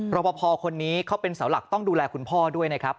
บพอคนนี้เขาเป็นเสาหลักต้องดูแลคุณพ่อด้วยนะครับ